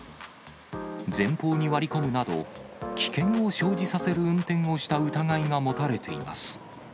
前方に割り込むなど、危険を生じさせる運転をした疑いが持たれています。